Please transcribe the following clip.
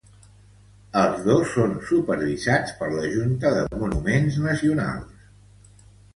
Els dos són supervisats per la Junta de Monumentos Nacionales.